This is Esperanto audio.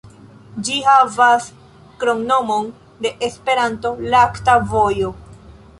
Ĝi havas kromnomon de Esperanto, "Lakta vojo".